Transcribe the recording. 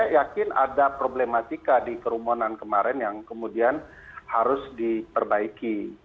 dan saya yakin ada problematika di kerumunan kemarin yang kemudian harus diperbaiki